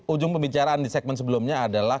ujung pembicaraan di segmen sebelumnya adalah